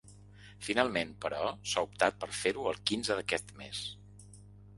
Finalment, però, s’ha optat per fer-ho el quinze d’aquest mes.